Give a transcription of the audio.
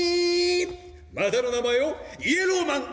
またの名前をイエローマン！